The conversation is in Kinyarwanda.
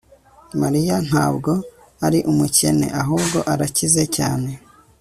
mariya ntabwo ari umukene. ahubwo arakize cyane